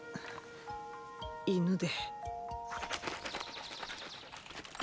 犬で。